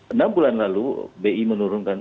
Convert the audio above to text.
enam bulan lalu bi menurunkan